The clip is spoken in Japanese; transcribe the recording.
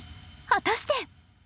果たして。